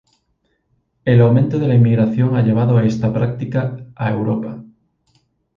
El aumento de la inmigración ha llevado esta práctica a Europa.